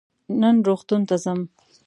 نن روغتون ته ځم.